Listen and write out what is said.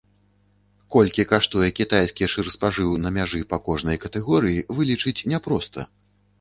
Колькі каштуе кітайскі шырспажыў на мяжы па кожнай катэгорыі, вылічыць няпроста.